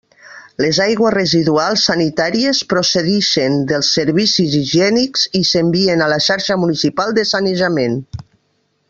Les aigües residuals sanitàries procedixen dels servicis higiènics i s'envien a la xarxa municipal de sanejament.